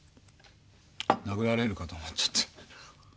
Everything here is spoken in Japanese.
殴られるかと思っちゃった。